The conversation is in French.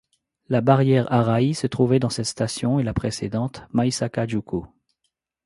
La barrière Arai se trouvait entre cette station et la précédente, Maisaka-juku.